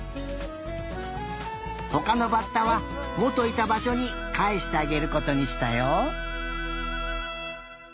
ほかのバッタはもといたばしょにかえしてあげることにしたよ。